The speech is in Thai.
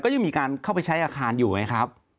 ยังมีการเข้าไปใช้อาคารอยู่ไงครับ